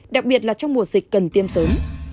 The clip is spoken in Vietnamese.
đặc biệt là trong mùa dịch cần tiêm sớm